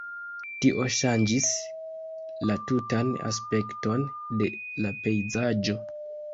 Tio ŝanĝis la tutan aspekton de la pejzaĝo.